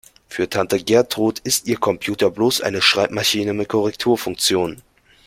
Für Tante Gertrud ist ihr Computer bloß eine Schreibmaschine mit Korrekturfunktion.